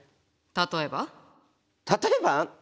例えば？例えば！？